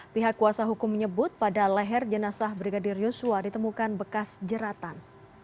pihak kuasa hukum menyebut pada leher jenazah brigadir yosua ditemukan bekas jeratan